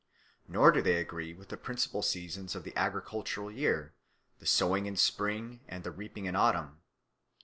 Nor do they agree with the principal seasons of the agricultural year, the sowing in spring and the reaping in autumn.